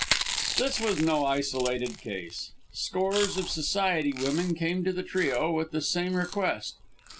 This was no isolated case. Scores of Society women came to the trio with the same request.